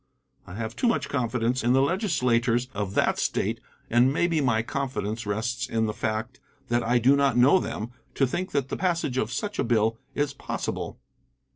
I have too much confidence in the legislators of that State, and maybe my confidence rests in the fact that I do not know them, to think that the passage of such a bill is possible.